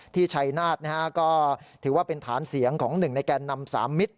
ที่ชัยนาธิ์นะฮะก็ถือว่าเป็นฐานเสียงของ๑ในแก่นำ๓มิตร